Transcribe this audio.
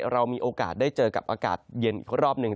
เรามีโอกาสได้เจอกับอากาศเย็นอีกรอบหนึ่ง